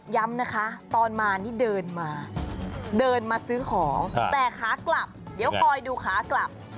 ย้ำนะคะตอนมานี่เดินมาเดินมาซื้อของแต่ขากลับเดี๋ยวคอยดูขากลับ